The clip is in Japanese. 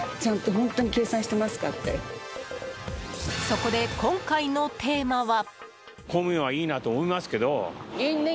そこで今回のテーマは。